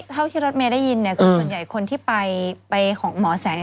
เท่าที่รถเมย์ได้ยินคือส่วนใหญ่คนที่ไปของหมอแสง